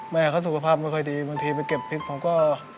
แม่เขาสุขภาพไม่ค่อยดีบางทีไปเก็บพริกผมก็